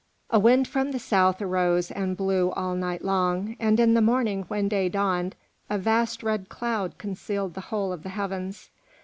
A wind from the south arose and blew all night long, and in the morning when day dawned, a vast red cloud concealed the whole of the heavens.